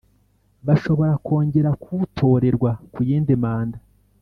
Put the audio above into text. bashobora kongera kuwutorerwa ku yindi manda